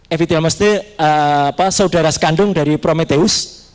evi thilamus itu saudara sekandung dari prometheus